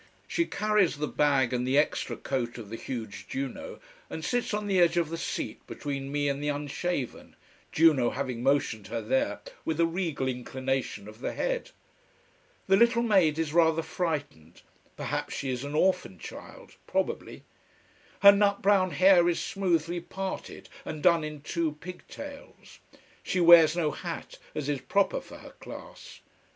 She carries the bag and the extra coat of the huge Juno, and sits on the edge of the seat between me and the unshaven, Juno having motioned her there with a regal inclination of the head. The little maid is rather frightened. Perhaps she is an orphan child probably. Her nut brown hair is smoothly parted and done in two pigtails. She wears no hat, as is proper for her class.